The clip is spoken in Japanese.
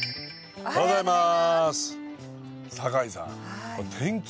おはようございます。